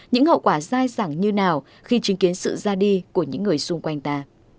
những hậu quả sai sẵn như nào khi chứng kiến sự ra đi của những người xung quanh ta